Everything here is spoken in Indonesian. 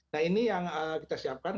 nah ini yang kita siapkan